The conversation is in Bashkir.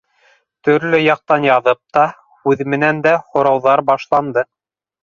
Төрлө яҡтан яҙып та, һүҙ менән дә һорауҙар башланды.